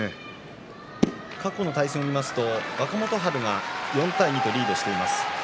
過去の対戦を見ますと若元春が４対２とリードしています。